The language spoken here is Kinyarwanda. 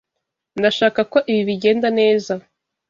Ndashaka ko ibi bigenda neza.